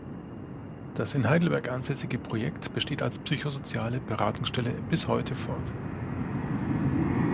Das in Heidelberg ansässige Projekt besteht als psychosoziale Beratungsstelle bis heute fort.